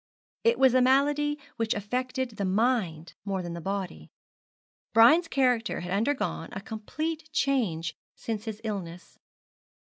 It was a malady which affected the mind more than the body. Brian's character had undergone a complete change since his illness.